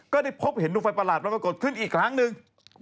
ก็ได้พบเห็นดวงไฟประหลาดปรากฏขึ้นอีกครั้งหนึ่ง